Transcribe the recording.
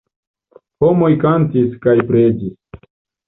Homoj kantis kaj preĝis.